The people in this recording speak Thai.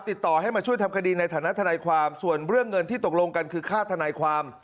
ติดต่อให้มาช่วยทำคดีในฐานะทนายความส่วนเรื่องเงินที่ตกลงกันคือค่าทนายความ